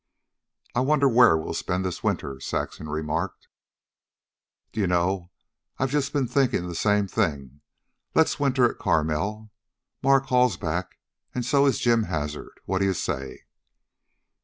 "I wonder where we'll spend this winter," Saxon remarked. "D'ye know, I've just been thinkin' the same thing. Let's winter at Carmel. Mark Hall's back, an' so is Jim Hazard. What d'ye say?"